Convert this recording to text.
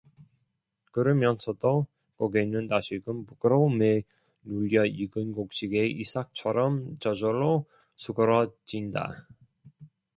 그러면서도 고개는 다시금 부끄러움에 눌려 익은 곡식의 이삭처럼 저절로 수그러진다.